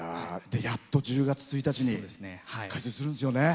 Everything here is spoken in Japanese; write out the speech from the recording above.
やっと１０月１日に開通するんですよね。